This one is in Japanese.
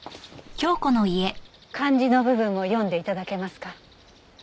漢字の部分も読んで頂けますか？